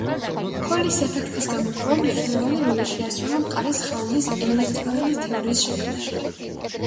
ჰოლის ეფექტის გამოკვლევამ მნიშვნელოვანი როლი შეასრულა მყარი სხეულის ელექტრონული თეორიის შექმნაში.